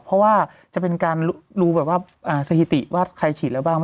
เพราะว่าจะเป็นการดูแบบว่าสถิติว่าใครฉีดแล้วบ้าง